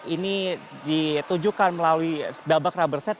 ini ditujukan melalui babak rubber set